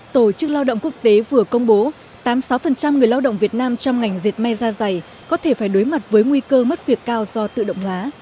tổ chức lao động quốc tế vừa công bố tám mươi sáu người lao động việt nam trong ngành diệt may ra dày có thể phải đối mặt với nguy cơ mất việc cao do tự động hóa